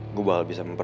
nggak ada apa apa